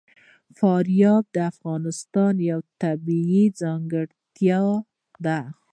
فاریاب د افغانستان یوه طبیعي ځانګړتیا ده.